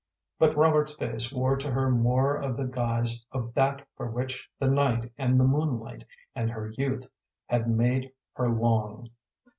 But Robert's face wore to her more of the guise of that for which the night and the moonlight, and her youth, had made her long.